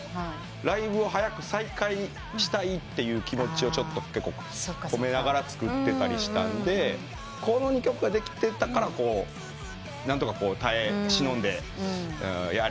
ライブを早く再開したいって気持ちを込めながら作ってたりしたんでこの２曲ができてたから何とか耐え忍んでやれたなと。